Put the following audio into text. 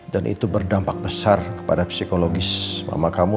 dan itu berdampak besar kepada psikologis mama kamu